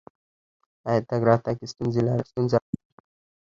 ایا تګ راتګ کې ستونزه لرئ؟